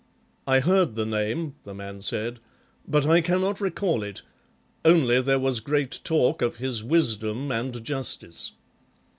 "I heard the name," the man said, "but I cannot recall it; only there was great talk of his wisdom and justice.""